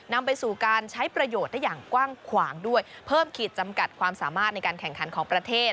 นำไปสู่การใช้ประโยชน์ได้อย่างกว้างขวางด้วยเพิ่มขีดจำกัดความสามารถในการแข่งขันของประเทศ